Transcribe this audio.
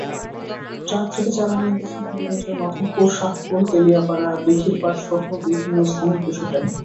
ট্রাকযোগে চারা নিয়ে গেছেন হবিগঞ্জের মাধবপুর, শাহপুর, তেলিয়াপাড়া, দীঘিরপাড়সহ বিভিন্ন স্থানের কৃষকেরা।